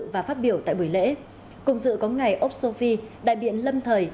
và phát biểu tại buổi lễ cùng dự có ngày úc sô vi đại biện lâm thời